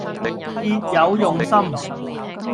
別有用心